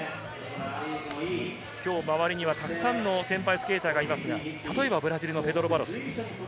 今日、周りにはたくさんの先輩スケーターがいますが、ブラジルのペドロ・バロス。